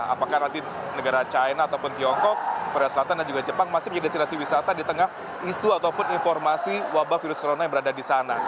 apakah nanti negara china ataupun tiongkok korea selatan dan juga jepang masih menjadi destinasi wisata di tengah isu ataupun informasi wabah virus corona yang berada di sana